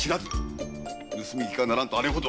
盗み聞きはならぬとあれほど！